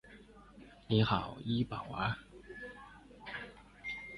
现代意义的投资银行基本不属于银行的范畴，而是种专业证券机构。